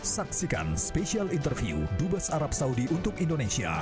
saksikan spesial interview dubes arab saudi untuk indonesia